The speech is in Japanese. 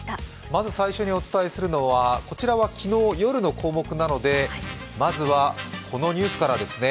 まず最初にお伝えするのは昨日、夜の項目なのでまずはこのニュースからですね。